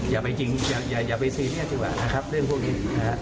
อย่าไปจริงอย่าไปซีเรียสดีกว่านะครับเรื่องพวกนี้นะฮะ